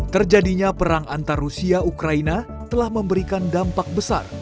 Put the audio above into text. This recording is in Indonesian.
terjadinya perang antar rusia ukraina telah memberikan dampak besar